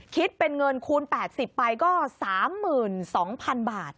คิดเป็นเงินคูณ๘๐ไปก็๓๒๐๐๐บาท